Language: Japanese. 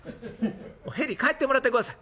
ヘリ帰ってもらってください。